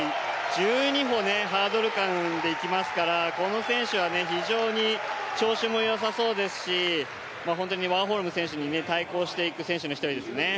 １２歩、ハードル間でいきますからこの選手は調子も良さそうですし本当にワーホルム選手に対抗していく選手の一人ですね。